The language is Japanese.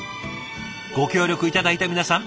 ご協力頂いた皆さん